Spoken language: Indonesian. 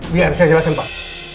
biar saya jelasin pak